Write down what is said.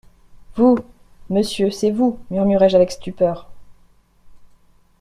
Vous ! monsieur, c'est vous, murmurai-je avec stupeur.